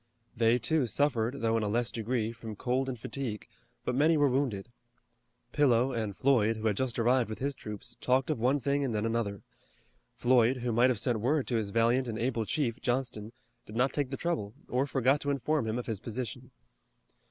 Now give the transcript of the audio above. They, too, suffered though in a less degree from cold and fatigue, but many were wounded. Pillow and Floyd, who had just arrived with his troops, talked of one thing and then another. Floyd, who might have sent word to his valiant and able chief, Johnston, did not take the trouble or forgot to inform him of his position.